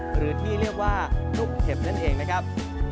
หรือที่เรียกว่าลูกเห็บนั่นเองนะครับ